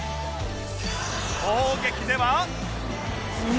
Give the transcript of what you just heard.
攻撃では